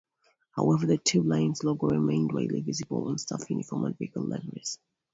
However, the Tube Lines' logo remain widely visible on staff uniforms and vehicle liveries.